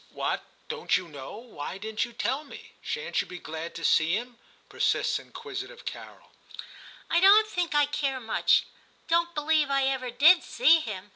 ' What ! don't you know ? Why didn't you tell me ? Shan't you be glad to see him }' persists inquisitive Carol. * I don't think I care much : don't believe I ever did see him.'